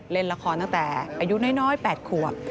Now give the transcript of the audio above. เล่นละครตั้งแต่อายุน้อย๘ขวบ